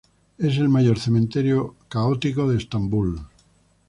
Es el mayor cementerio católico de Estambul.